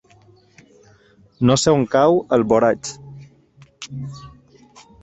No sé on cau Alboraig.